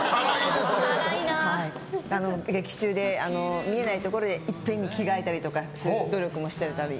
劇中で見えないところでいっぺんに着替えたりする努力もしてたり。